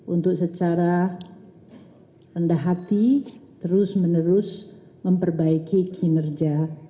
untuk secara rendah hati terus menerus memperbaiki kinerja